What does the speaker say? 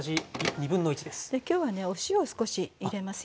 できょうはねお塩を少し入れますよ。